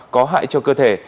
có hại cho cơ thể